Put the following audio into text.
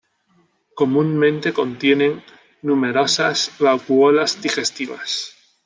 Comúnmente contienen numerosas vacuolas digestivas.